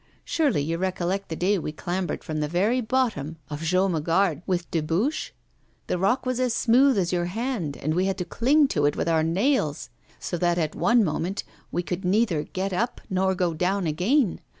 Surely you recollect the day we clambered from the very bottom of Jaumegarde with Dubuche? The rock was as smooth as your hand, and we had to cling to it with our nails, so that at one moment we could neither get up nor go down again.